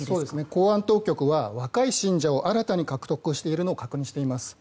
公安当局は若い信者を新たに獲得しているのを確認しています。